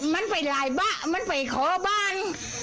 มันไปหลายบะมันไปขอบ้าน